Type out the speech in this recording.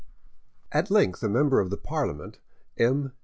At length a member of the Parliament, M.